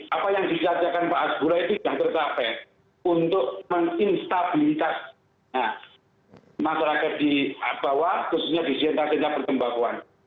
apa yang dijadikan pak hasbulata itu yang tercapai untuk menginstabilitas masyarakat di bawah khususnya di sentra sentra perkembanguan